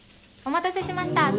お待たせしました。